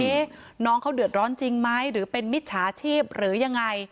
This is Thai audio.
น้องเขาเดือดร้อนจริงไหมหรือเป็นมิจฉาชีพหรือยังไง